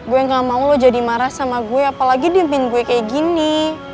gue yang gak mau lo jadi marah sama gue apalagi diempin gue kayak gini